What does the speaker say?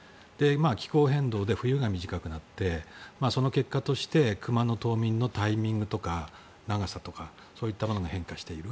気候変動で冬が短くなってその結果として熊の冬眠のタイミングとか長さとかそういったものが変化している。